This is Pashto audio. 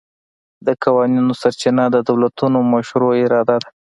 د قوانینو سرچینه د دولتونو مشروعه اراده ده